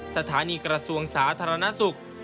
สถานีกระทรวงสาธารณสุข